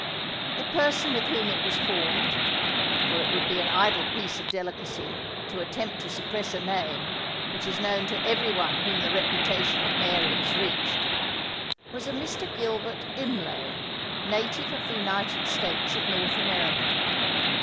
The person with whom it was formed (for it would be an idle piece of delicacy, to attempt to suppress a name, which is known to every one whom the reputation of Mary has reached), was Mr. Gilbert Imlay, native of the United States of North America.